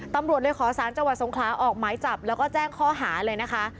ตำรวจเลยขอสารจังหวัดสงขลาออกหมายจับแล้วก็แจ้งข้อหาเลยนะคะ